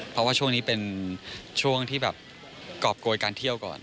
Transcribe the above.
เพราะว่าช่วงนี้เป็นช่วงที่แบบกรอบโกยการเที่ยวก่อน